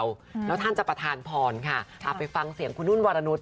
ก็แล้วท่านจับประธานภพรไปฟังเศียงคุณหุ้นวรนุษฎิ